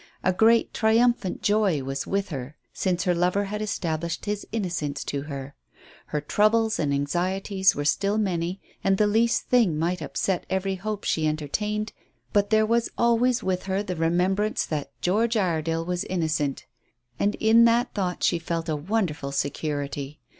A great triumphant joy was with her since her lover had established his innocence to her. Her troubles and anxieties were still many, and the least thing might upset every hope she entertained, but there was always with her the remembrance that George Iredale was innocent, and in that thought she felt a wonderful security.